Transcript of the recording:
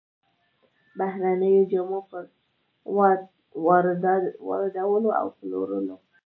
بهرنيو جامو پر واردولو او پلورلو